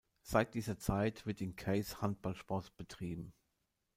Seit dieser Zeit wird in Queis Handballsport betrieben.